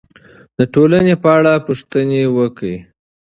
د ټولنې په اړه پوښتنې وکړئ.